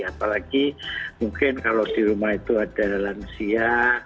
apalagi mungkin kalau di rumah itu ada lansia